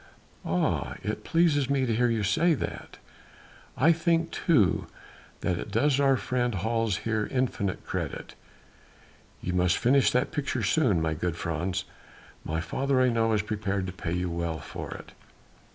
"Ah! it pleases me to hear you say that. I think too that it does our friend Hals here infinite credit. You must finish that picture soon, my good Frans. My father I know is prepared to pay you well for it."